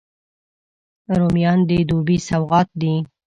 رومیان د دوبي سوغات دي